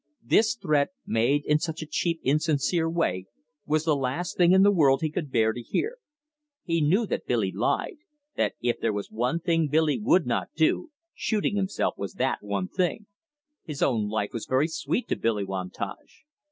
This threat, made in such a cheap, insincere way, was the last thing in the world he could bear to hear. He knew that Billy lied; that if there was one thing Billy would not do, shooting himself was that one thing. His own life was very sweet to Billy Wantage.